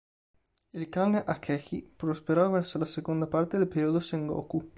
Il clan Akechi prosperò verso la seconda parte del periodo Sengoku.